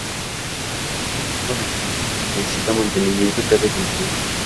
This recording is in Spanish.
Este tramo de la carretera necesita mantenimiento cada temporada.